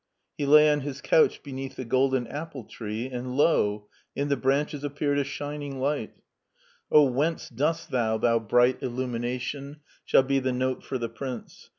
He lay on his couch beneath the golden apple tree, and, lot in the branches appeared a shining light O whence dost thou, thou bright illumination, shall be the note for the prince.